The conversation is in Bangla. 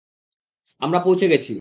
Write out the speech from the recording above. আমরা পৌঁছে গেছি!